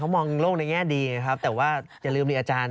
มองโลกในแง่ดีนะครับแต่ว่าอย่าลืมดีอาจารย์